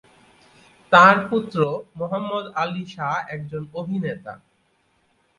তার পুত্র মোহাম্মদ আলী শাহ একজন অভিনেতা।